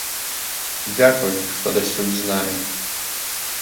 Дзякуй, што дасюль з намі.